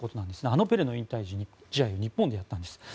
あのペレの引退試合を日本でやったんです。